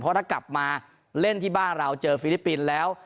เพราะถ้ากลับมาเล่นที่บ้านเราเจอฟิลิปปินส์แล้ว